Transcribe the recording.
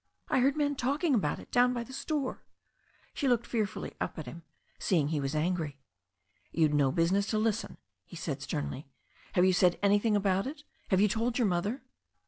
"I heard the men talking about it down by the store.'* She looked fearfully at him, seeing he was angry. "You'd no business to listen," he said sternly. "Have you said anything about it? Have you told your mother?"